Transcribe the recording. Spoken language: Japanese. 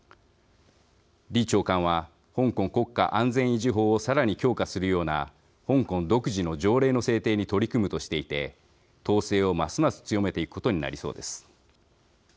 李長官は、香港国家安全維持法をさらに強化するような香港独自の条例の制定に取り組むとしていて統制をますます強めていくことになりそうです。